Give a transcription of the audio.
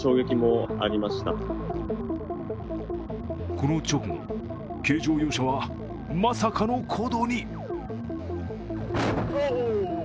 この直後、軽乗用車はまさかの行動に。